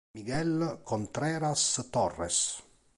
Miguel Contreras Torres